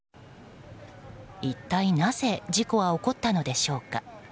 一体なぜ事故は起こったのでしょうか。